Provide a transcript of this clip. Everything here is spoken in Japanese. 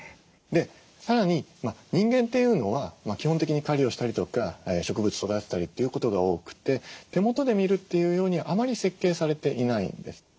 さらに人間というのは基本的に狩りをしたりとか植物育てたりということが多くて手元で見るっていうようにあまり設計されていないんです。